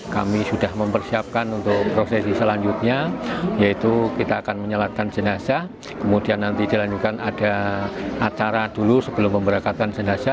kami sudah mempersiapkan untuk prosesi selanjutnya yaitu kita akan menyalatkan jenazah kemudian nanti dilanjutkan ada acara dulu sebelum pemberangkatan jenazah